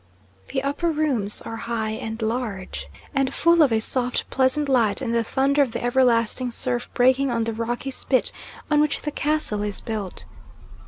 The upper rooms are high and large, and full of a soft pleasant light and the thunder of the everlasting surf breaking on the rocky spit on which the castle is built.